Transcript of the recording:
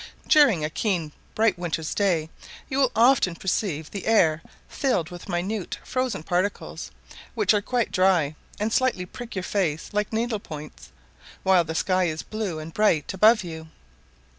During a keen bright winter's day you will often perceive the air filled with minute frozen particles, which are quite dry, and slightly prick your face like needle points, while the sky is blue and bright above you.